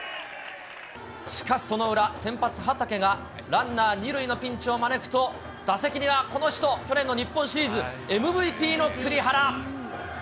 しかしその裏、先発、はたけがランナー２塁のピンチを招くと、打席にはこの人、去年の日本シリーズＭＶＰの栗原。